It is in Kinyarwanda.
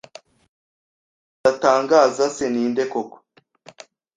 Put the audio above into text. Uwo bitatagaza se ninde koko?